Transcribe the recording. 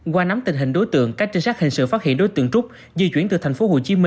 qua nắm tình hình đối tượng các trinh sát hình sự phát hiện đối tượng trúc di chuyển từ tp hcm